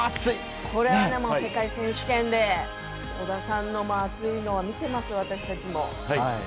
世界選手権で織田さんの熱いのを見てます、私たちも。